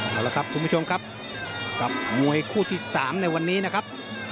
เอาละครับคุณผู้ชมครับกับมวยคู่ที่๓ในวันนี้นะครับ